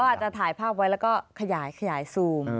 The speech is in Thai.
อาจจะถ่ายภาพไว้แล้วก็ขยายซูม